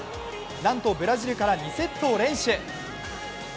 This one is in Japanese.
なんと、ブラジルから２セットを連取。